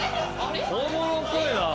本物っぽいなあ。